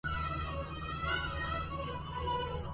أولئك إخواني الذاهبون